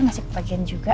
masih kebagian juga